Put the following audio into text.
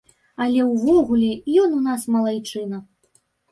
Але ўвогуле, ён у нас малайчына.